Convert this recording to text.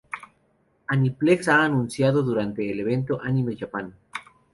Aniplex ha anunciado durante el evento Anime Japan.